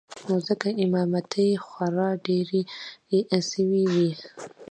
نو ځکه امامتې خورا ډېرې سوې وې.